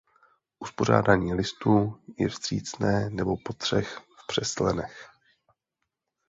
Uspořádání listů je vstřícné nebo po třech v přeslenech.